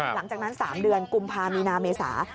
หลังจากนั้น๓เดือนกุมภามีนาเมษา